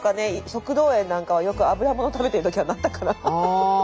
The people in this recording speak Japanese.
食道炎なんかはよく脂もの食べてる時はなったかな。